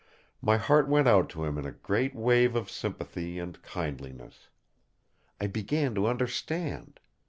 My heart went out to him in a great wave of sympathy and kindliness. I began to understand.